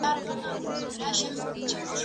زه بوټونه پاک کړي دي؟